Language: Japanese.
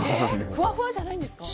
ふわふわじゃないんですか？